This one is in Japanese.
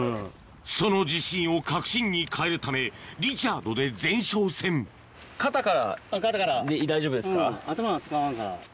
その自信を確信に変えるためリチャードで前哨戦肩からうん。